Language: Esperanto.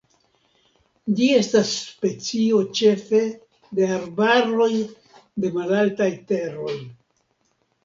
Ĝi estas specio ĉefe de arbaroj de malaltaj teroj.